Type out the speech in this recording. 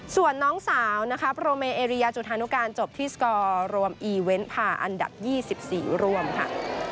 ส่วนน้องสาวโปรโมเรียจุธานุกาลจบที่สกอรมอันดับ๒๔รวมค่ะ